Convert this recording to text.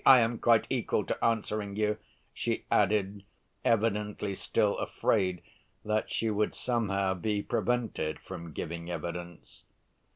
I am quite equal to answering you," she added, evidently still afraid that she would somehow be prevented from giving evidence.